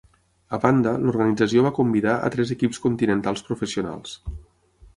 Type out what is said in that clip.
A banda, l'organització va convidar a tres equips continentals professionals.